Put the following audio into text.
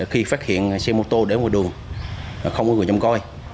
khi phát hiện xe mô tô đến ngoài đường không có người trộm còi